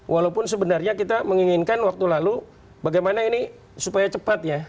walaupun sebenarnya kita menginginkan waktu lalu bagaimana ini supaya cepat ya